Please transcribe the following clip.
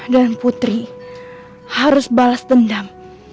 dan putri harus balas dendam